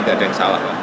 gak ada yang salah pak